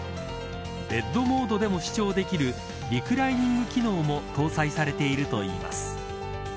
ベッドモードでも視聴できるリクライニング機能も搭載されているといいます。